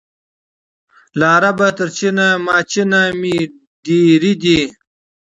له عرب تر چین ماچینه مي دېرې دي